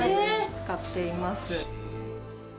使っています。